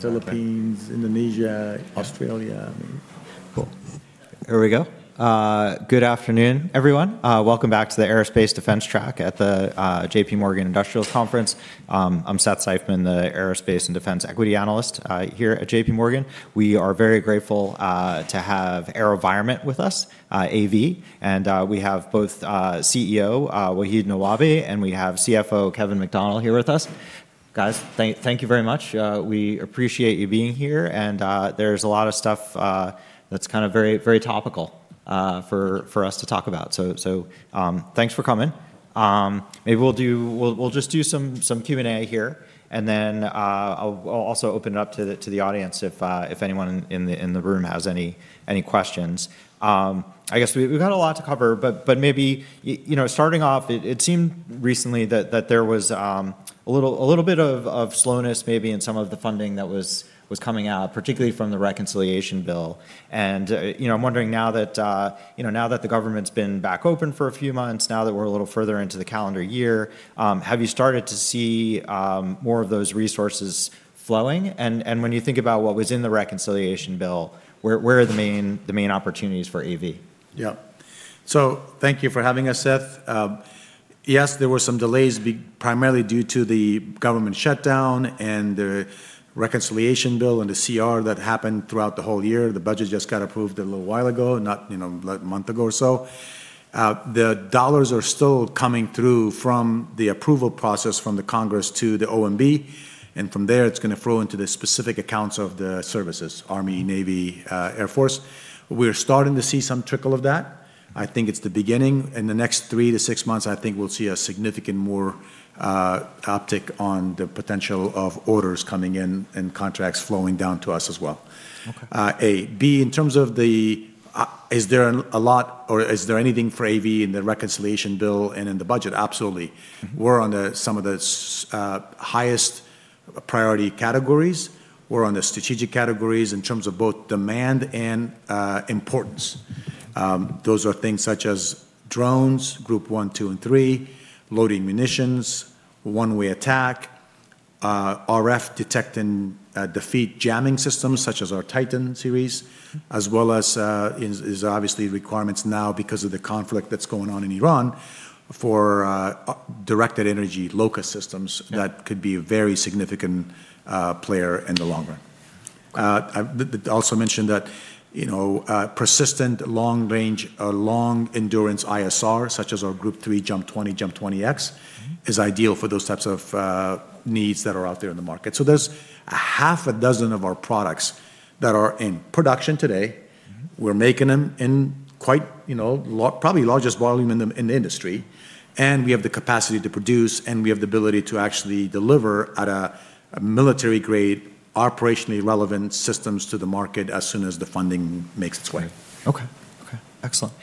Japan, Philippines, Indonesia, Australia. Cool. Here we go. Good afternoon, everyone. Welcome back to the Aerospace Defense track at the JPMorgan Industrials Conference. I'm Seth Seifman, the Aerospace and Defense Equity Analyst here at J.P. Morgan. We are very grateful to have AeroVironment with us, AV, and we have both CEO Wahid Nawabi and CFO Kevin McDonnell here with us. Guys, thank you very much. We appreciate you being here, and there's a lot of stuff that's kind of very topical for us to talk about. Thanks for coming. Maybe we'll just do some Q&A here, and then I'll also open it up to the audience if anyone in the room has any questions. I guess we've got a lot to cover, but maybe you know, starting off, it seemed recently that there was a little bit of slowness maybe in some of the funding that was coming out, particularly from the reconciliation bill. You know, I'm wondering now that you know, now that the government's been back open for a few months, now that we're a little further into the calendar year, have you started to see more of those resources flowing? When you think about what was in the reconciliation bill, where are the main opportunities for AV? Yeah. Thank you for having us, Seth. Yes, there were some delays primarily due to the government shutdown and the reconciliation bill and the CR that happened throughout the whole year. The budget just got approved a little while ago, not, you know, like a month ago or so. The dollars are still coming through from the approval process from the Congress to the OMB, and from there it's gonna flow into the specific accounts of the services, Army, Navy, Air Force. We're starting to see some trickle of that. I think it's the beginning. In the next three to six months, I think we'll see a significant more uptick on the potential of orders coming in and contracts flowing down to us as well. Okay. A.B., in terms of the, is there a lot or is there anything for AV in the reconciliation bill and in the budget? Absolutely. Mm-hmm. We're on some of the highest priority categories. We're on the strategic categories in terms of both demand and importance. Those are things such as drones, Group 1, 2, and 3, loitering munitions, one-way attack, RF detect and defeat jamming systems such as our Titan series, as well as ISR is obviously requirements now because of the conflict that's going on in Iran for directed energy LOCUST systems. Yeah That could be a very significant player in the long run. I also mentioned that, you know, persistent long range long endurance ISR, such as our Group 3 JUMP 20, JUMP 20-X is ideal for those types of needs that are out there in the market. There's a half a dozen of our products that are in production today. We're making them in quite, you know, probably largest volume in the industry, and we have the capacity to produce, and we have the ability to actually deliver a military grade, operationally relevant systems to the market as soon as the funding makes its way. Okay. Excellent.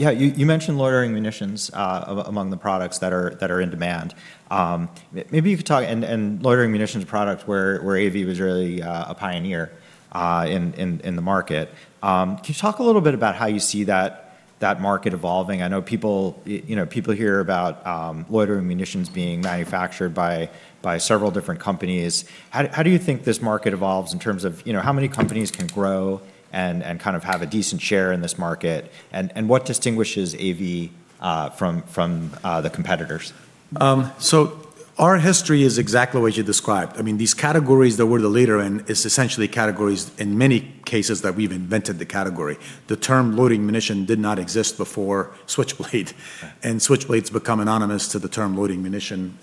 Yeah, you mentioned loitering munitions among the products that are in demand. Loitering munitions products where AV was really a pioneer in the market. Could you talk a little bit about how you see that market evolving? I know people, you know, people hear about loitering munitions being manufactured by several different companies. How do you think this market evolves in terms of, you know, how many companies can grow and kind of have a decent share in this market? What distinguishes AV from the competitors? Our history is exactly what you described. I mean, these categories that we're the leader in is essentially categories in many cases that we've invented the category. The term loitering munition did not exist before Switchblade Switchblade's become synonymous to the term loitering munition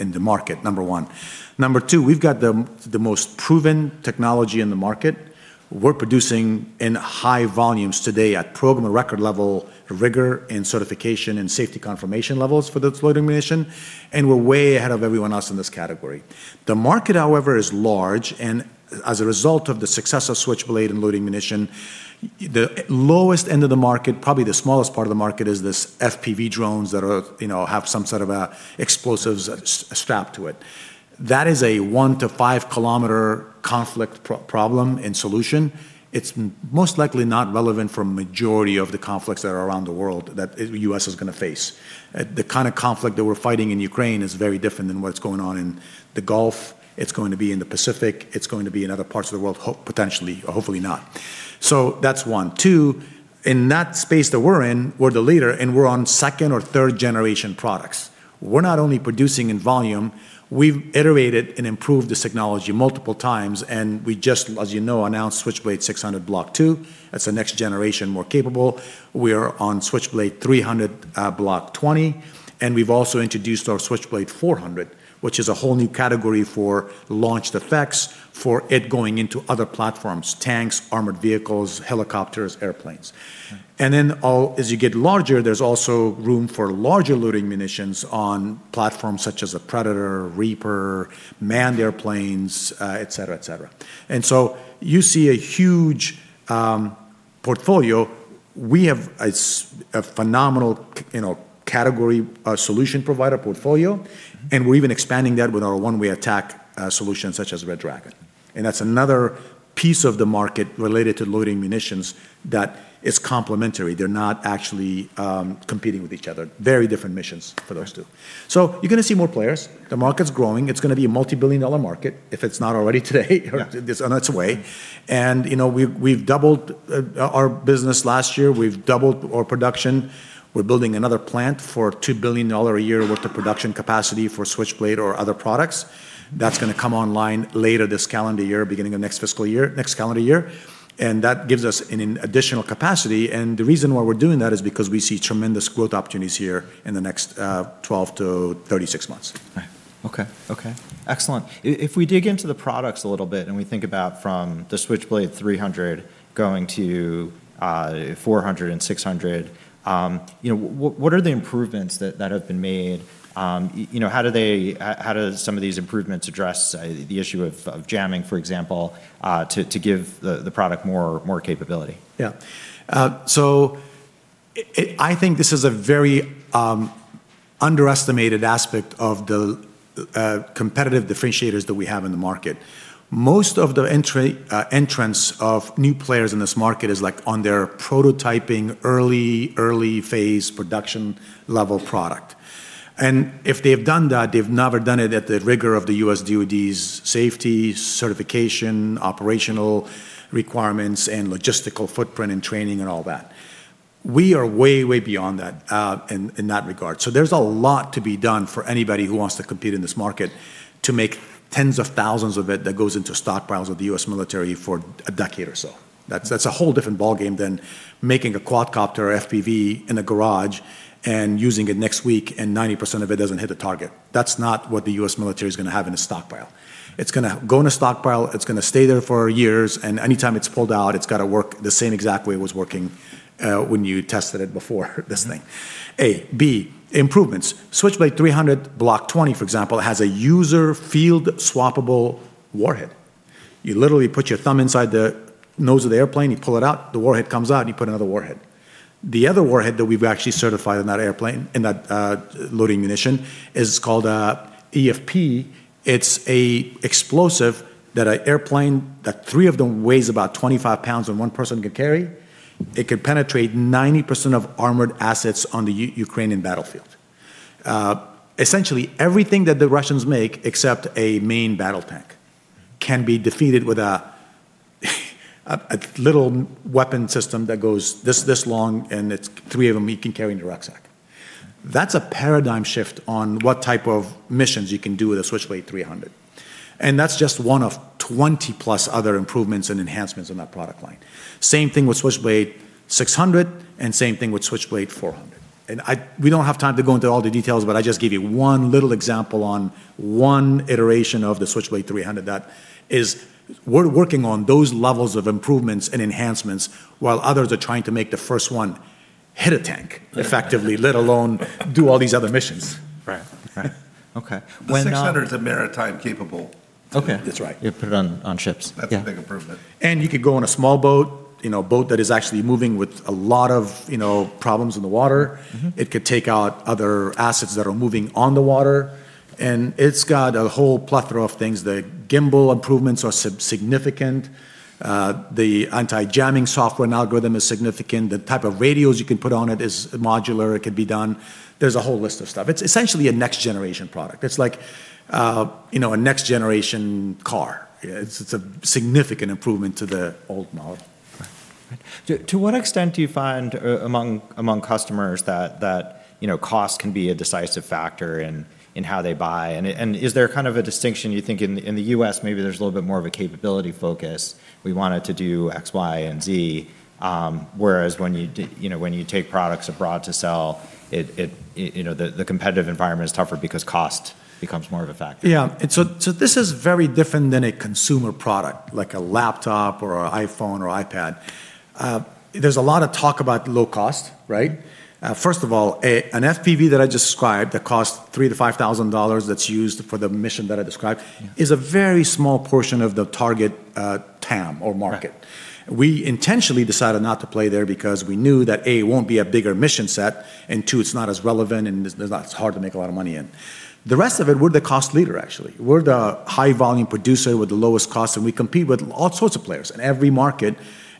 in the market, number one. Number two, we've got the most proven technology in the market. We're producing in high volumes today at program and record level rigor and certification and safety confirmation levels for this loitering munition, and we're way ahead of everyone else in this category. The market, however, is large, and as a result of the success of Switchblade and loitering munition, the lowest end of the market, probably the smallest part of the market, is this FPV drones that are, you know, have some sort of a explosives strapped to it. That is a 1 km to 5 km conflict problem and solution. It's most likely not relevant for a majority of the conflicts that are around the world that the U.S. is gonna face. The kind of conflict that we're fighting in Ukraine is very different than what's going on in the Gulf. It's going to be in the Pacific. It's going to be in other parts of the world potentially, hopefully not. That's one. Two, in that space that we're in, we're the leader, and we're on second or third generation products. We're not only producing in volume, we've iterated and improved this technology multiple times, and we just, as you know, announced Switchblade 600 Block 2. That's the next generation, more capable. We are on Switchblade 300 Block 20, and we've also introduced our Switchblade 400, which is a whole new category for launched effects for it going into other platforms, tanks, armored vehicles, helicopters, airplanes. As you get larger, there's also room for larger loitering munitions on platforms such as a Predator, Reaper, manned airplanes, et cetera, et cetera. You see a huge portfolio. We have a phenomenal, you know, category solution provider portfolio. We're even expanding that with our one-way attack solutions such as Red Dragon. That's another piece of the market related to loitering munitions that is complementary. They're not actually competing with each other. Very different missions for those two. You're gonna see more players. The market's growing. It's gonna be a multi-billion-dollar market, if it's not already today. Yeah. It's on its way. You know, we've doubled our business last year. We've doubled our production. We're building another plant for $2 billion a year worth of production capacity for Switchblade or other products. That's gonna come online later this calendar year, beginning of next fiscal year, next calendar year, and that gives us an additional capacity. The reason why we're doing that is because we see tremendous growth opportunities here in the next 12-36 months. Right. Okay. Excellent. If we dig into the products a little bit and we think about from the Switchblade 300 going to 400 and 600, you know, what are the improvements that have been made? You know, how do some of these improvements address the issue of jamming, for example, to give the product more capability? Yeah. I think this is a very underestimated aspect of the competitive differentiators that we have in the market. Most of the new entrants in this market are, like, on their prototyping early phase production level product. If they've done that, they've never done it at the rigor of the U.S. DoD's safety, certification, operational requirements, and logistical footprint and training and all that. We are way beyond that in that regard. There's a lot to be done for anybody who wants to compete in this market to make tens of thousands of it that goes into stockpiles with the U.S. military for a decade or so. That's a whole different ballgame than making a quadcopter FPV in a garage and using it next week, and 90% of it doesn't hit a target. That's not what the U.S. military is gonna have in a stockpile. It's gonna go in a stockpile, it's gonna stay there for years, and anytime it's pulled out, it's gotta work the same exact way it was working when you tested it before this thing. A, B improvements. Switchblade 300 Block 20, for example, has a user field swappable warhead. You literally put your thumb inside the nose of the airplane, you pull it out, the warhead comes out, and you put another warhead. The other warhead that we've actually certified in that airplane, in that loitering munition, is called an EFP. It's an explosive that three of them weighs about 25 lbs and one person can carry. It can penetrate 90% of armored assets on the Ukrainian battlefield. Essentially, everything that the Russians make, except a main battle tank, can be defeated with a little weapon system that goes this long, and it's three of them you can carry in your rucksack. That's a paradigm shift on what type of missions you can do with a Switchblade 300, and that's just one of 20+ other improvements and enhancements in that product line. Same thing with Switchblade 600, and same thing with Switchblade 400. We don't have time to go into all the details, but I just gave you one little example on one iteration of the Switchblade 300 that is we're working on those levels of improvements and enhancements while others are trying to make the first one hit a tank effectively, let alone do all these other missions. Right. Okay. When. The 600 is a maritime capable. Okay. That's right. You put it on ships. That's a big improvement. You could go on a small boat, you know, a boat that is actually moving with a lot of, you know, problems in the water. Mm-hmm. It could take out other assets that are moving on the water, and it's got a whole plethora of things. The gimbal improvements are significant. The anti-jamming software and algorithm is significant. The type of radios you can put on it is modular. It could be done. There's a whole list of stuff. It's essentially a next generation product. It's like, you know, a next generation car. It's a significant improvement to the old model. To what extent do you find among customers that you know cost can be a decisive factor in how they buy? Is there kind of a distinction you think in the U.S. maybe there's a little bit more of a capability focus, we want it to do X, Y, and Z, whereas when you know, when you take products abroad to sell, it you know, the competitive environment is tougher because cost becomes more of a factor? Yeah. This is very different than a consumer product, like a laptop or an iPhone or iPad. There's a lot of talk about low cost, right? First of all, an FPV that I just described that costs $3,000-$5,000 that's used for the mission that I described is a very small portion of the target TAM or market. Right. We intentionally decided not to play there because we knew that, A, it won't be a bigger mission set, and two, it's not as relevant and it's hard to make a lot of money in. The rest of it, we're the cost leader, actually. We're the high volume producer with the lowest cost, and we compete with all sorts of players in every market.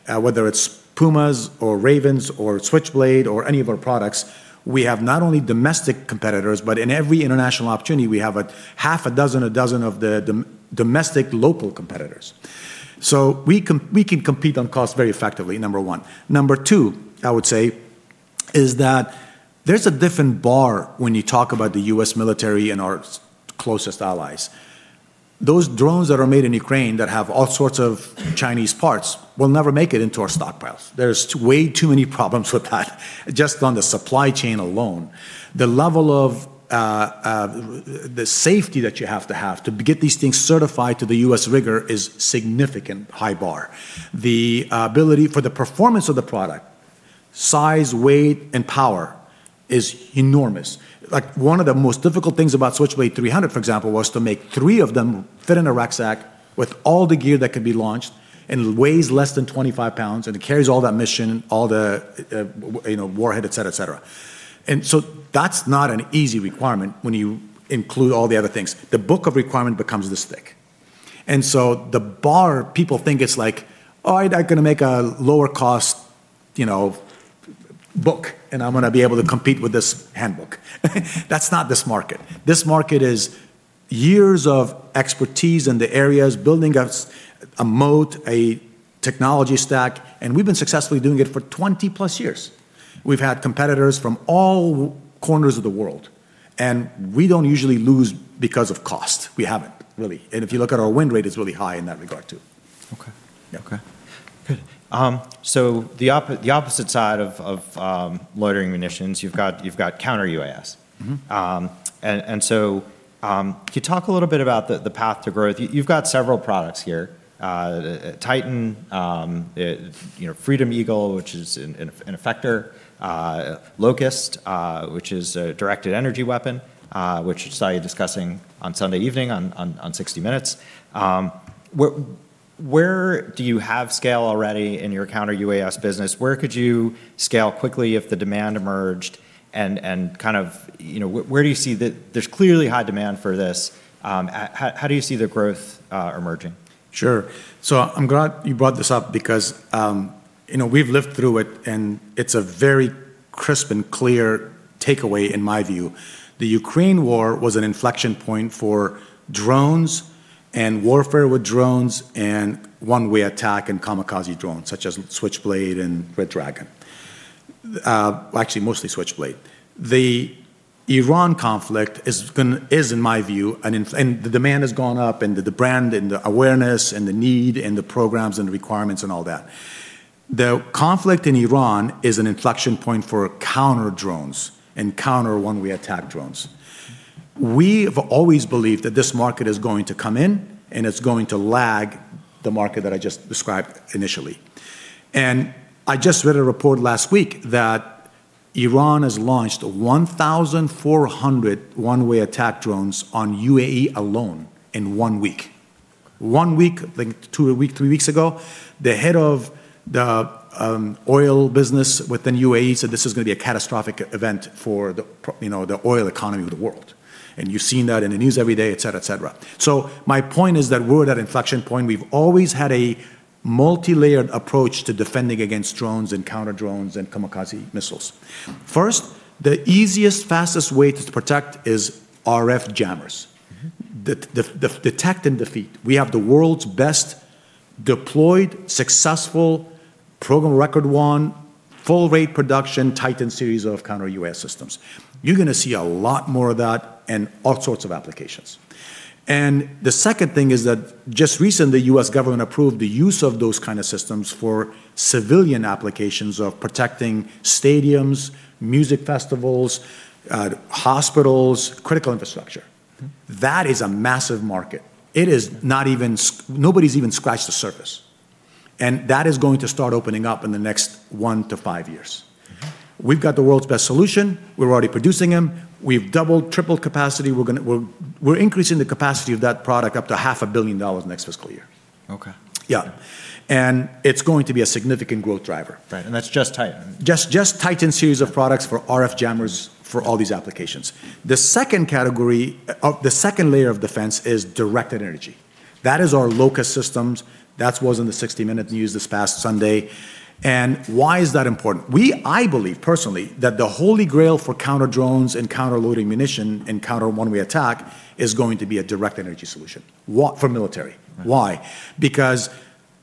Whether it's Puma's or Raven's or Switchblade or any of our products, we have not only domestic competitors, but in every international opportunity, we have half a dozen of the domestic local competitors. So we can compete on cost very effectively, number one. Number two, I would say, is that there's a different bar when you talk about the U.S. military and our closest allies. Those drones that are made in Ukraine that have all sorts of Chinese parts will never make it into our stockpiles. There's way too many problems with that just on the supply chain alone. The level of the safety that you have to have to get these things certified to the U.S. rigor is significant, high bar. The ability for the performance of the product, size, weight, and power is enormous. Like, one of the most difficult things about Switchblade 300, for example, was to make three of them fit in a rucksack with all the gear that could be launched, and it weighs less than 25 lbs, and it carries all that mission, all the, you know, warhead, et cetera, et cetera. That's not an easy requirement when you include all the other things. The book of requirements becomes this thick. The bar, people think it's like, "Oh, I'm gonna make a lower cost, you know, book, and I'm gonna be able to compete with this handbook." That's not this market. This market is years of expertise in the areas, building a moat, a technology stack, and we've been successfully doing it for 20+ years. We've had competitors from all corners of the world, and we don't usually lose because of cost. We haven't, really. If you look at our win rate, it's really high in that regard, too. Okay. Yeah. Okay. Good. The opposite side of loitering munitions, you've got counter-UAS. Mm-hmm. Could you talk a little bit about the path to growth? You've got several products here. Titan, you know, Freedom Eagle, which is an effector, LOCUST, which is a directed energy weapon, which I saw you discussing on Sunday evening on 60 Minutes. Where do you have scale already in your counter-UAS business? Where could you scale quickly if the demand emerged? Kind of, you know, there's clearly high demand for this. How do you see the growth emerging? Sure. I'm glad you brought this up because, you know, we've lived through it, and it's a very crisp and clear takeaway in my view. The Ukraine War was an inflection point for drones and warfare with drones and one-way attack and kamikaze drones, such as Switchblade and Red Dragon. Actually, mostly Switchblade. The Iran conflict is, in my view, and the demand has gone up, and the brand, and the awareness, and the need, and the programs, and the requirements, and all that. The conflict in Iran is an inflection point for counter-drones and counter one-way attack drones. We have always believed that this market is going to come in, and it's going to lag the market that I just described initially. I just read a report last week that Iran has launched 1,400 one-way attack drones on UAE alone in one week. One week, I think two weeks, three weeks ago, the head of the oil business within UAE said this is gonna be a catastrophic event for you know, the oil economy of the world. You've seen that in the news every day, et cetera, et cetera. My point is that we're at an inflection point. We've always had a multilayered approach to defending against drones and counter-drones and kamikaze missiles. First, the easiest, fastest way to protect is RF jammers. The detect and defeat. We have the world's best deployed, successful program record one, full rate production Titan series of counter-UAS systems. You're gonna see a lot more of that in all sorts of applications. The second thing is that just recently, U.S. government approved the use of those kind of systems for civilian applications of protecting stadiums, music festivals, hospitals, critical infrastructure. That is a massive market. Nobody's even scratched the surface. That is going to start opening up in the next one to five years. We've got the world's best solution. We're already producing them. We've doubled, tripled capacity. We're increasing the capacity of that product up to $500,000,000 next fiscal year. Okay. Yeah. It's going to be a significant growth driver. Right. That's just Titan. Just Titan series of products for RF jammers for all these applications. The second category, the second layer of defense is directed energy. That is our LOCUST systems. That was in the 60 Minutes news this past Sunday. Why is that important? I believe personally, that the Holy Grail for counter-drones and counter-loitering munition and counter one-way attack is going to be a directed energy solution. For military. Right. Why? Because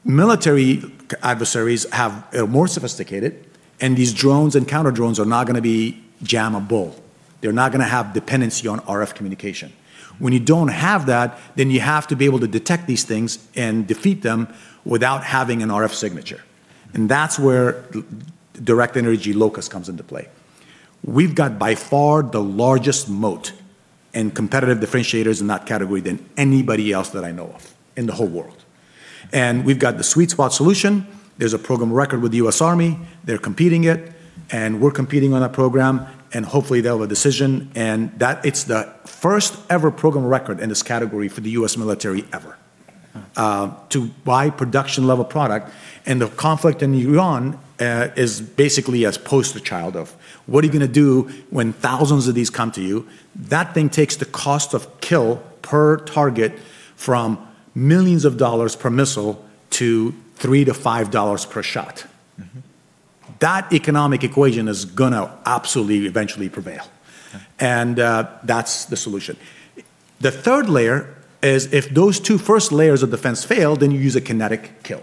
military adversaries are more sophisticated, and these drones and counter-drones are not gonna be jammable. They're not gonna have dependency on RF communication. When you don't have that, then you have to be able to detect these things and defeat them without having an RF signature. That's where directed energy LOCUST comes into play. We've got by far the largest moat and competitive differentiators in that category than anybody else that I know of in the whole world. We've got the sweet spot solution. There's a program of record with the U.S. Army. They're competing it, and we're competing on that program, and hopefully they'll have a decision. That's the first ever program of record in this category for the U.S. military ever. Mm. To buy production level product. The conflict in Iran is basically a poster child of what are you gonna do when thousands of these come to you? That thing takes the cost of kill per target from millions per missile to $3-$5 per shot. That economic equation is gonna absolutely eventually prevail. Right. That's the solution. The third layer is if those two first layers of defense fail, then you use a kinetic kill.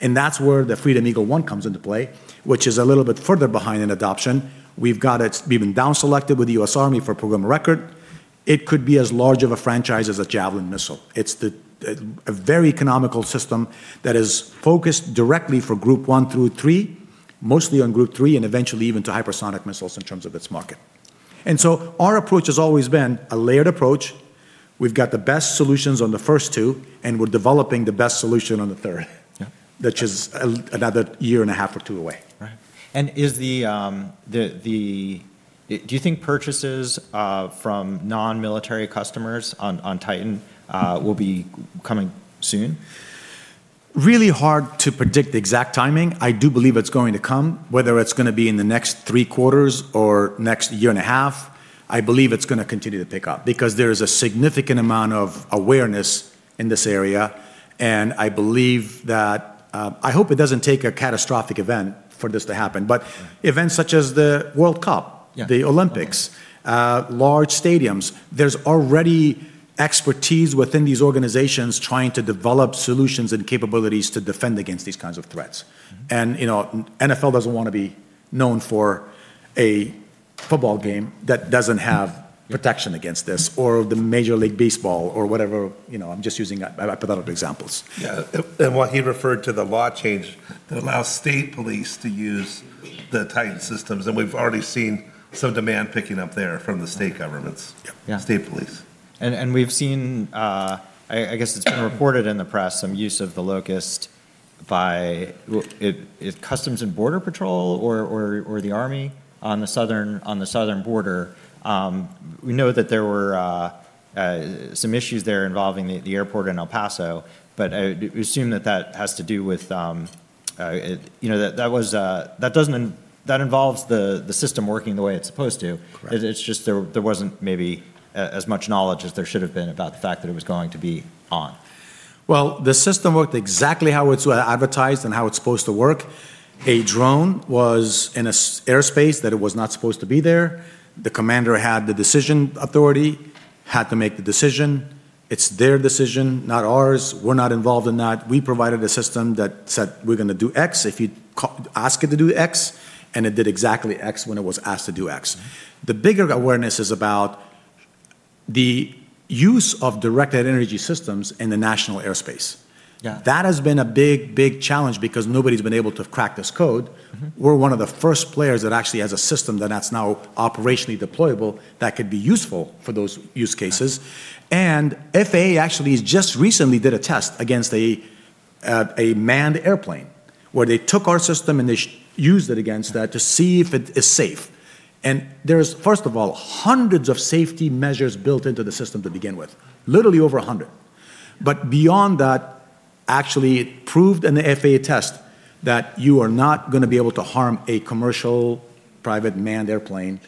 That's where the Freedom Eagle 1 comes into play, which is a little bit further behind in adoption. We've been down selected with the U.S. Army for program of record. It could be as large of a franchise as a Javelin missile. It's a very economical system that is focused directly for Group 1 through three, mostly on Group 3, and eventually even to hypersonic missiles in terms of its market. Our approach has always been a layered approach. We've got the best solutions on the first two, and we're developing the best solution on the third. Yeah. Which is another year and a half or two away. Right. Do you think purchases from non-military customers on Titan will be coming soon? Really hard to predict the exact timing. I do believe it's going to come, whether it's gonna be in the next three quarters or next year and a half, I believe it's gonna continue to pick up because there is a significant amount of awareness in this area, and I believe that, I hope it doesn't take a catastrophic event for this to happen. Events such as the World Cup. Yeah The Olympics, large stadiums, there's already expertise within these organizations trying to develop solutions and capabilities to defend against these kinds of threats. You know, NFL doesn't wanna be known for a football game that doesn't have protection against this, or the Major League Baseball or whatever, you know. I'm just using a couple of examples. Yeah. What he referred to the law change that allows state police to use the Titan systems, and we've already seen some demand picking up there from the state governments. Yeah. Yeah. State police. We've seen, I guess it's been reported in the press, some use of the LOCUST by U.S. Customs and Border Protection or the Army on the southern border. We know that there were some issues there involving the airport in El Paso, but we assume that has to do with you know that was the system working the way it's supposed to. Correct. It's just that there wasn't maybe as much knowledge as there should have been about the fact that it was going to be on. Well, the system worked exactly how it's advertised and how it's supposed to work. A drone was in a airspace that it was not supposed to be there. The commander had the decision authority, had to make the decision. It's their decision, not ours. We're not involved in that. We provided a system that said we're gonna do X if you ask it to do X, and it did exactly X when it was asked to do X. The bigger awareness is about the use of directed energy systems in the national airspace. Yeah. That has been a big, big challenge because nobody's been able to crack this code. Mm-hmm. We're one of the first players that actually has a system that's now operationally deployable that could be useful for those use cases. FAA actually just recently did a test against a manned airplane, where they took our system and they used it against that to see if it is safe. There's, first of all, hundreds of safety measures built into the system to begin with. Literally over 100. Beyond that, actually it proved in the FAA test that you are not gonna be able to harm a commercial private manned airplane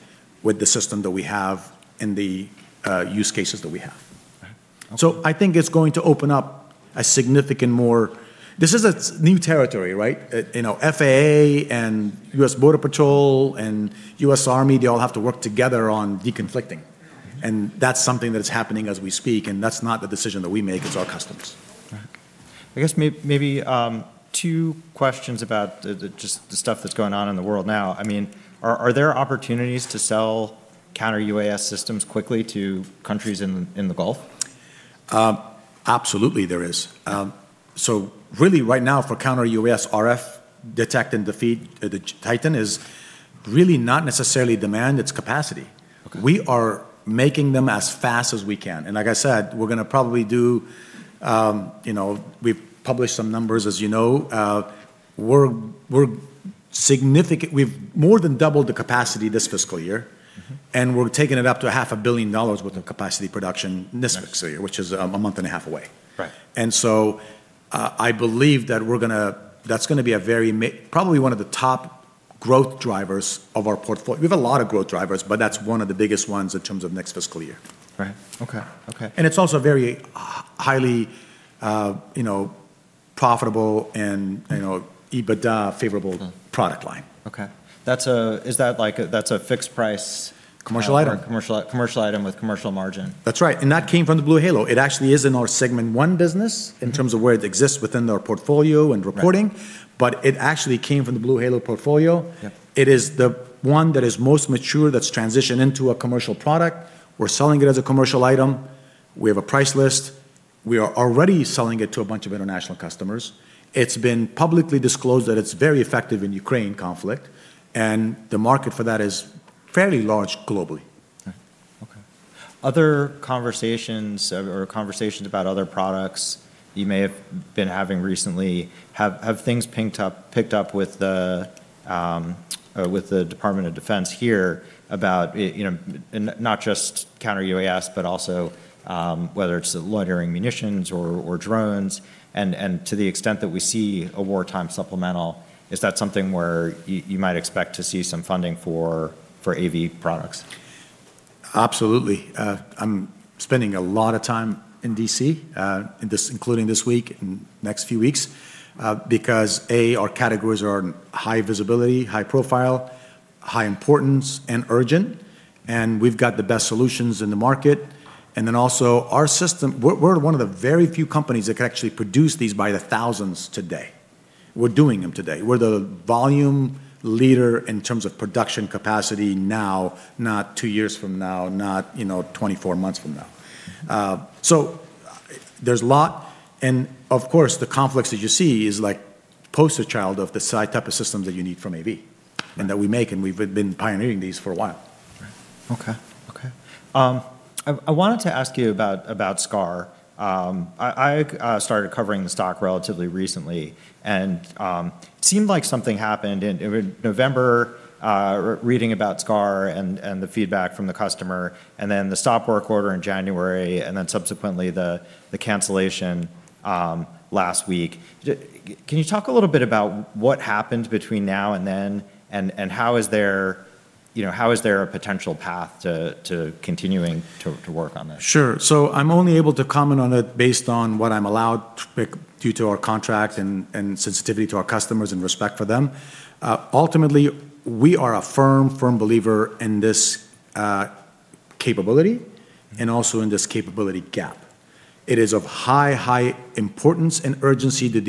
with the system that we have in the use cases that we have. Okay. I think it's going to open up a significant more. It's new territory, right? You know, FAA and U.S. Border Patrol and U.S. Army, they all have to work together on deconflicting. That's something that is happening as we speak, and that's not the decision that we make, it's our customers. Okay. I guess maybe two questions about just the stuff that's going on in the world now. I mean, are there opportunities to sell counter-UAS systems quickly to countries in the Gulf? Absolutely there is. Really right now for counter-UAS RF detect and defeat, the Titan is really not necessarily demand, its capacity. Okay. We are making them as fast as we can. Like I said, we're gonna probably do, you know, we've published some numbers, as you know. We've more than doubled the capacity this fiscal year. We're taking it up to half a billion dollars worth of capacity production this fiscal year. Next Which is a month and a half away. Right. I believe that we're gonna. That's gonna be a very probably one of the top growth drivers of our. We have a lot of growth drivers, but that's one of the biggest ones in terms of next fiscal year. Right. Okay. It's also very highly, you know, profitable and, you know, EBITDA favorable product line. Okay. That's a fixed price- Commercial item. Commercial item with commercial margin? That's right. That came from the BlueHalo. It actually is in our segment one business. Mm-hmm in terms of where it exists within our portfolio and reporting. Right. It actually came from the BlueHalo portfolio. Yeah. It is the one that is most mature that's transitioned into a commercial product. We're selling it as a commercial item. We have a price list. We are already selling it to a bunch of international customers. It's been publicly disclosed that it's very effective in Ukraine conflict, and the market for that is fairly large globally. Okay. Other conversations about other products you may have been having recently. Have things picked up with the Department of Defense here about, you know, and not just counter UAS, but also whether it's loitering munitions or drones and to the extent that we see a wartime supplemental, is that something where you might expect to see some funding for AV products? Absolutely. I'm spending a lot of time in D.C., in this, including this week and next few weeks, because A, our categories are high visibility, high profile, high importance, and urgent, and we've got the best solutions in the market. Also our system, we're one of the very few companies that can actually produce these by the thousands today. We're doing them today. We're the volume leader in terms of production capacity now, not two years from now, not you know, 24 months from now. There's a lot, and of course, the conflicts that you see is like poster child of this type of system that you need from AV. THat we make, and we've been pioneering these for a while. I wanted to ask you about SCAR. I started covering the stock relatively recently and seemed like something happened in November, reading about SCAR and the feedback from the customer and then the stop work order in January and then subsequently the cancellation last week. Can you talk a little bit about what happened between now and then, and how is there, you know, how is there a potential path to continuing to work on this? I'm only able to comment on it based on what I'm allowed to be due to our contract and sensitivity to our customers and respect for them. Ultimately, we are a firm believer in this capability and also in this capability gap. It is of high importance and urgency to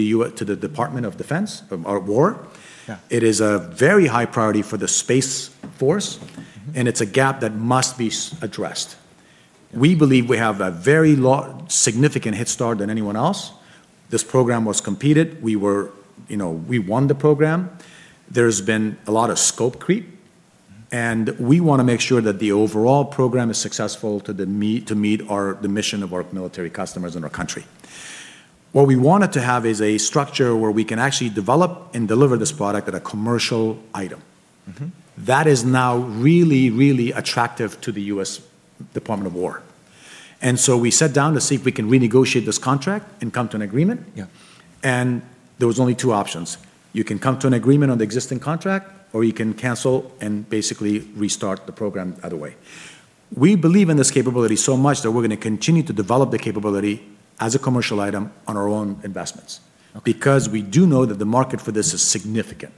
the Department of Defense, of our war. Yeah. It is a very high priority for the Space Force, and it's a gap that must be addressed. We believe we have a very significant head start than anyone else. This program was competed. You know, we won the program. There's been a lot of scope creep, and we wanna make sure that the overall program is successful to meet our mission of our military customers and our country. What we wanted to have is a structure where we can actually develop and deliver this product as a commercial item. That is now really, really attractive to the U.S. Department of Defense. We sat down to see if we can renegotiate this contract and come to an agreement. Yeah. There was only two options. You can come to an agreement on the existing contract, or you can cancel and basically restart the program either way. We believe in this capability so much that we're gonna continue to develop the capability as a commercial item on our own investments. Okay Because we do know that the market for this is significant.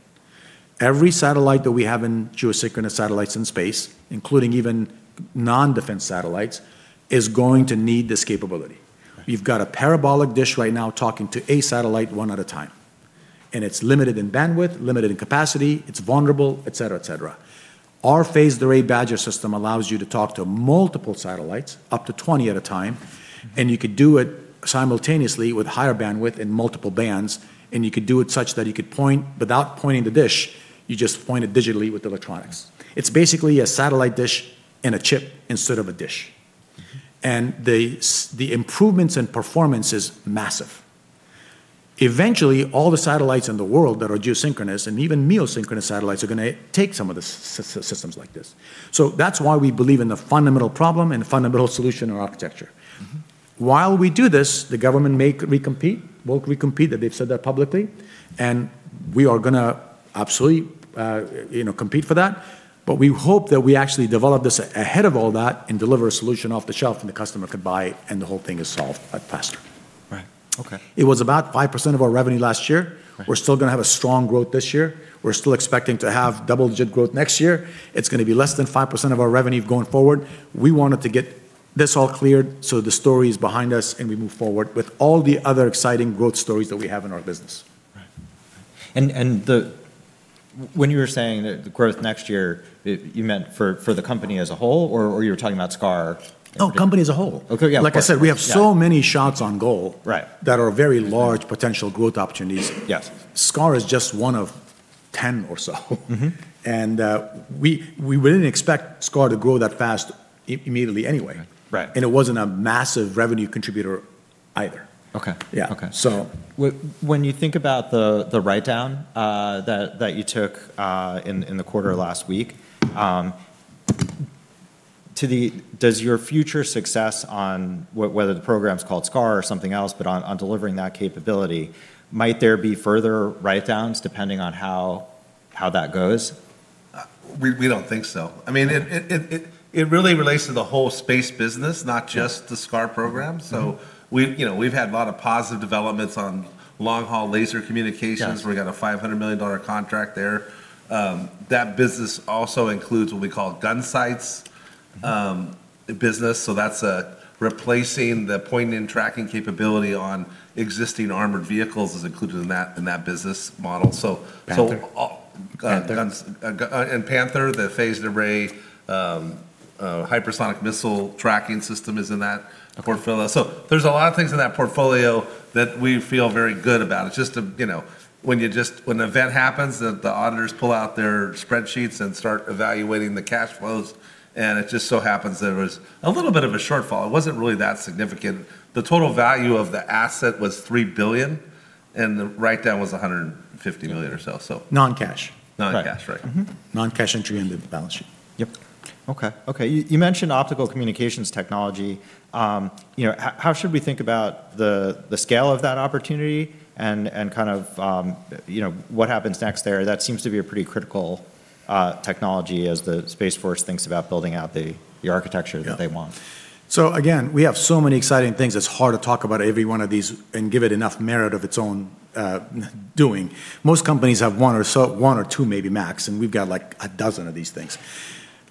Every satellite that we have in geosynchronous satellites in space, including even non-defense satellites, is going to need this capability. Right. You've got a parabolic dish right now talking to a satellite one at a time, and it's limited in bandwidth, limited in capacity, it's vulnerable, et cetera, et cetera. Our phased array BADGER system allows you to talk to multiple satellites, up to 20 at a time, and you could do it simultaneously with higher bandwidth in multiple bands, and you could do it such that you could point without pointing the dish. You just point it digitally with electronics. It's basically a satellite dish in a chip instead of a dish. The improvements in performance is massive. Eventually, all the satellites in the world that are geosynchronous and even geosynchronous satellites are gonna take some of the systems like this. That's why we believe in the fundamental problem and fundamental solution or architecture. While we do this, the government may recompete, will recompete it. They've said that publicly. We are gonna absolutely, you know, compete for that. We hope that we actually develop this ahead of all that and deliver a solution off the shelf, and the customer could buy it, and the whole thing is solved faster. Right. Okay. It was about 5% of our revenue last year. Right. We're still gonna have a strong growth this year. We're still expecting to have double-digit growth next year. It's gonna be less than 5% of our revenue going forward. We wanted to get this all cleared, so the story is behind us, and we move forward with all the other exciting growth stories that we have in our business. Right. When you were saying that the growth next year, you meant for the company as a whole, or you were talking about SCAR? No, company as a whole. Okay. Yeah, of course. Like I said, we have so many shots on goal. Right That are very large potential growth opportunities. Yes. SCAR is just one of 10 or so. Mm-hmm. We wouldn't expect SCAR to grow that fast immediately anyway. Right. It wasn't a massive revenue contributor either. Okay. Yeah. Okay. So- When you think about the write-down that you took in the quarter last week, does your future success on whether the program's called SCAR or something else, but on delivering that capability, might there be further write-downs depending on how that goes? We don't think so. I mean, it really relates to the whole space business not just the SCAR program. We've, you know, had a lot of positive developments on long-haul laser communications. We got a $500 million contract there. That business also includes what we call gunsights business. That's replacing the pointing and tracking capability on existing armored vehicles is included in that business model. Panther. Panther, the phased array hypersonic missile tracking system is in that portfolio. There's a lot of things in that portfolio that we feel very good about. It's just, you know, when an event happens, the auditors pull out their spreadsheets and start evaluating the cash flows, and it just so happens there was a little bit of a shortfall. It wasn't really that significant. The total value of the asset was $3 billion, and the writedown was $150 million or so. Non-cash. Non-cash. Right? Right. Non-cash entry into the balance sheet. Yep. Okay. You mentioned optical communications technology. You know, how should we think about the scale of that opportunity and kind of you know what happens next there? That seems to be a pretty critical technology as the Space Force thinks about building out the architecture. Yeah That they want. Again, we have so many exciting things, it's hard to talk about every one of these and give it enough merit of its own doing. Most companies have one or two maybe max, and we've got, like, a dozen of these things.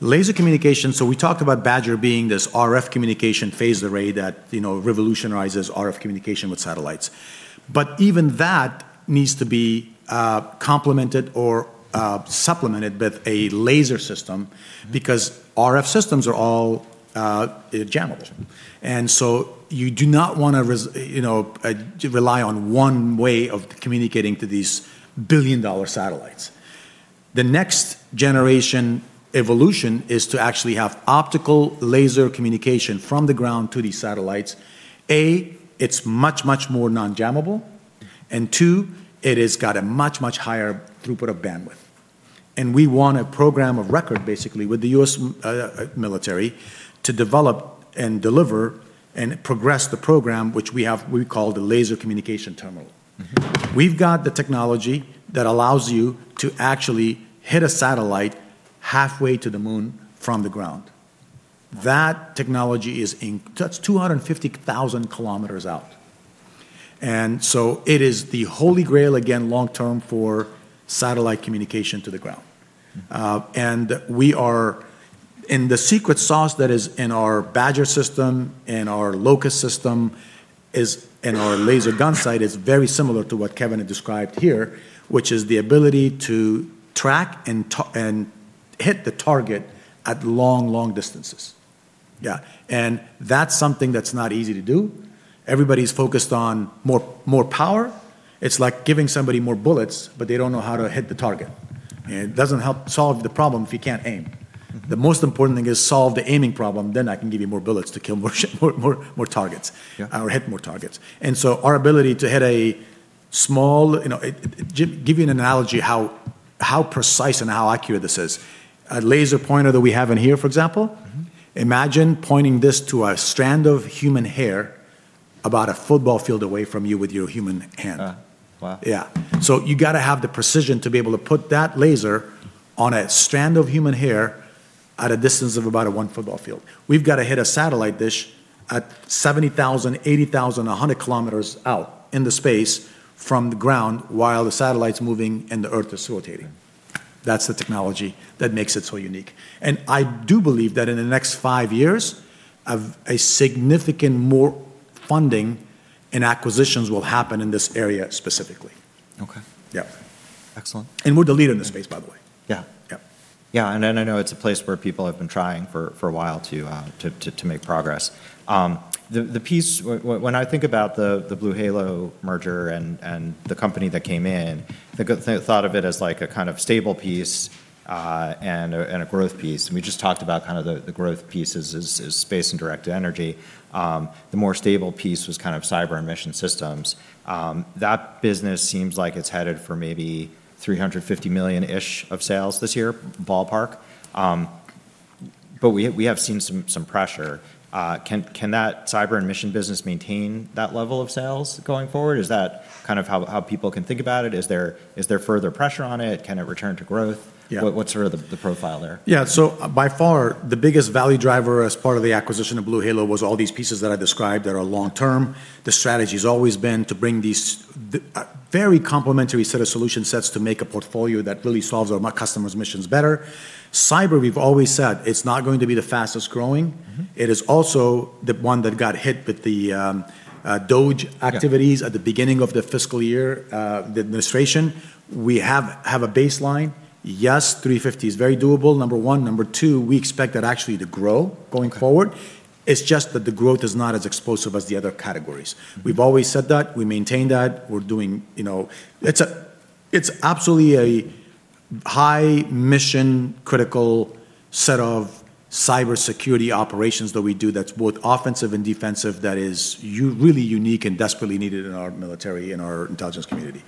Laser communication, so we talked about BADGER being this RF communication phased array that, you know, revolutionizes RF communication with satellites. But even that needs to be complemented or supplemented with a laser system because RF systems are all jammable. You do not wanna you know rely on one way of communicating to these billion-dollar satellites. The next generation evolution is to actually have optical laser communication from the ground to these satellites. One, it's much, much more non-jammable, and two, it has got a much, much higher throughput of bandwidth. We want a program of record basically with the U.S. military to develop and deliver and progress the program which we have, we call the Laser Communication Terminal. Mm-hmm. We've got the technology that allows you to actually hit a satellite halfway to the moon from the ground. That technology is in. That's 250,000 km out. It is the holy grail, again, long-term for satellite communication to the ground. The secret sauce that is in our BADGER system and our LOCUST system is, and our laser communication gunsights is very similar to what Kevin had described here, which is the ability to track and hit the target at long, long distances. Yeah. That's something that's not easy to do. Everybody's focused on more power. It's like giving somebody more bullets, but they don't know how to hit the target. It doesn't help solve the problem if you can't aim. Mm-hmm. The most important thing is solve the aiming problem, then I can give you more bullets to kill more targets. Yeah Or hit more targets. Our ability to hit a small, you know, give you an analogy how precise and how accurate this is. A laser pointer that we have in here, for example. Imagine pointing this to a strand of human hair about a football field away from you with your human hand. Wow. Yeah. You gotta have the precision to be able to put that laser on a strand of human hair at a distance of about one football field. We've gotta hit a satellite dish at 70,000, 80,000, 100 km out into space from the ground while the satellite's moving and the earth is rotating. That's the technology that makes it so unique. I do believe that in the next five years a significant more funding and acquisitions will happen in this area specifically. Okay. Yep. Excellent. We're the lead in this space, by the way. Yeah. Yep. Yeah. I know it's a place where people have been trying for a while to make progress. The piece, when I think about the BlueHalo merger and the company that came in thought of it as like a kind of stable piece, and a growth piece. We just talked about kind of the growth piece is space and directed energy. The more stable piece was kind of cyber and mission systems. That business seems like it's headed for maybe $350 million-ish of sales this year, ballpark. But we have seen some pressure. Can that cyber and mission business maintain that level of sales going forward? Is that kind of how people can think about it? Is there further pressure on it? Can it return to growth? Yeah. What's sort of the profile there? By far, the biggest value driver as part of the acquisition of BlueHalo was all these pieces that I described that are long-term. The strategy's always been to bring these very complementary set of solution sets to make a portfolio that really solves our customers' missions better. Cyber, we've always said, it's not going to be the fastest growing. It is also the one that got hit with the DoD activities. Yeah At the beginning of the fiscal year, the administration. We have a baseline. Yes, $350 is very doable, number one. Number two, we expect that actually to grow going forward. It's just that the growth is not as explosive as the other categories. We've always said that. We maintain that. We're doing, you know, it's absolutely a high mission critical set of cybersecurity operations that we do that's both offensive and defensive that is really unique and desperately needed in our military and our intelligence community.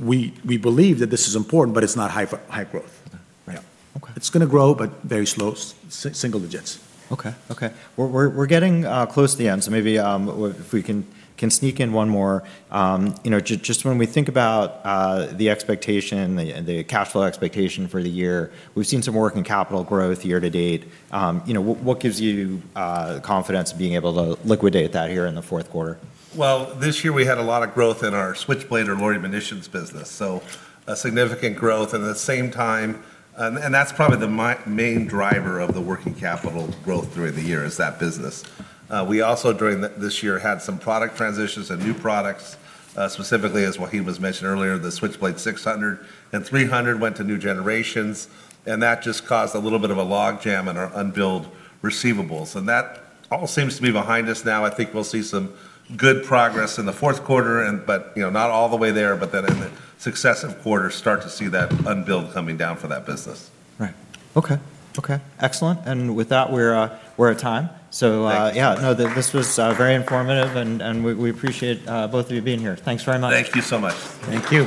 We believe that this is important, but it's not high growth. Yeah Okay. It's gonna grow, but very slow, single-digits. Okay. We're getting close to the end, so maybe if we can sneak in one more. You know, just when we think about the cash flow expectation for the year, we've seen some working capital growth year to date. You know, what gives you confidence being able to liquidate that here in the Q4? Well, this year we had a lot of growth in our Switchblade or loitering munitions business, so a significant growth. At the same time, that's probably the main driver of the working capital growth through the year is that business. We also during this year had some product transitions and new products, specifically as Wahid was mentioning earlier, the Switchblade 600 and 300 went to new generations, and that just caused a little bit of a log jam in our unbilled receivables. That all seems to be behind us now. I think we'll see some good progress in the Q4, you know, not all the way there, but then in the successive quarters start to see that unbilled coming down for that business. Right. Okay. Excellent. With that, we're at time. Thank you. Yeah. No, this was very informative and we appreciate both of you being here. Thanks very much. Thank you so much. Thank you.